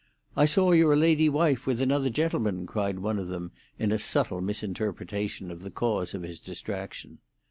"I saw your lady wife with another gentleman," cried one of them, in a subtle misinterpretation of the cause of his distraction.